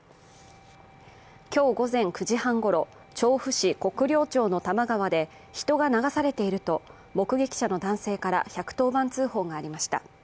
今日午前９時半ごろ、調布市国領町の多摩川で人が流されていると目撃者の男性から１１０番通報がありました。